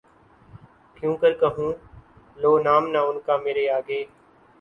کیوں کر کہوں لو نام نہ ان کا مرے آگے